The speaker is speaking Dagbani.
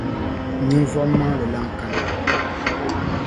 ninvuɣ’ maŋli lan kani.